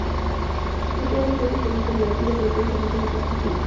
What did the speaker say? No todos los cuencos permiten el batido, pero todos admiten la percusión.